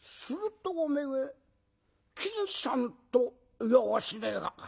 するとおめえ金さんと言やしねえか？